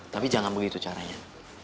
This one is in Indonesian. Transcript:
tapi jangan begitu caranya